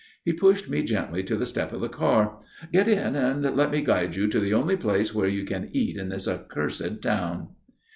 He pushed me gently to the step of the car. "Get in and let me guide you to the only place where you can eat in this accursed town."